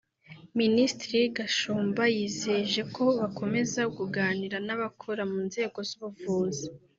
Minisitiri Gashumba yizeje ko bakomeza kuganira n’abakora mu nzego z’ubuvuzi